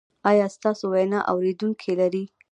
ایا ستاسو ویناوې اوریدونکي لري؟